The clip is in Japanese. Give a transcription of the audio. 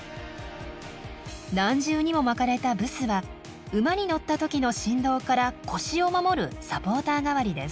何重にも巻かれたブスは馬に乗った時の振動から腰を守るサポーター代わりです。